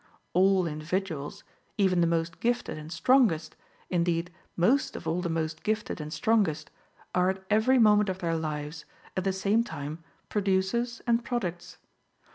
All individuals, even the most gifted and strongest, indeed most of all the most gifted and strongest, are at every moment of their lives, at the same time, producers and products.